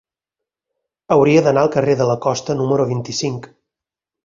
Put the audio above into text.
Hauria d'anar al carrer de la Costa número vint-i-cinc.